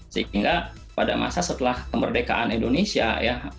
sehingga pada masa setelah kemerdekaan indonesia ya